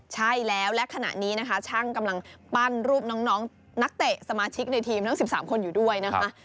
ใช่แล้วและขณะนี้นะคะช่างกำลังปั้นรูปน้องนักเตะสมาชิกในทีมทั้ง๑๓คนอยู่ด้วยนะคะ